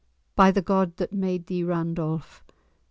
"By the God that made thee, Randolph!